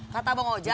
kata bang ojak